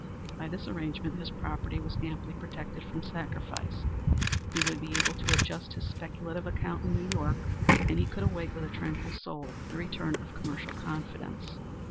By this arrangement his property was amply protected from sacrifice; he would be able to adjust his speculative account in New York; and he could await with a tranquil soul the return of commercial confidence.